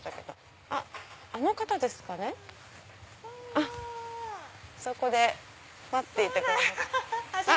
あそこで待っていてくれてる。